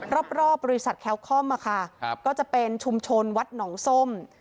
รอบบริษัทแคลคอมก็จะเป็นชุมชนวัดหนองส้ม